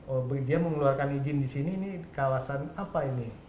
oh dia mengeluarkan izin disini ini kawasan apa ini